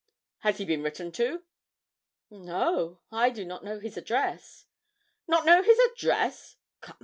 'Has he been written to?' 'No, I do not know his address.' 'Not know his address!